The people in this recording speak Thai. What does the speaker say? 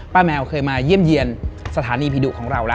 แมวเคยมาเยี่ยมเยี่ยมสถานีผีดุของเราแล้ว